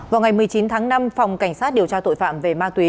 vào ngày một mươi chín tháng năm phòng cảnh sát điều tra tội phạm về ma túy